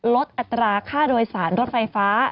อัตราค่าโดยสารรถไฟฟ้า